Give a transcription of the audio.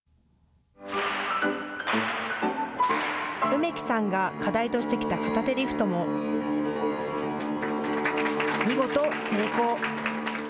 梅木さんが課題としてきた片手リフトも見事、成功。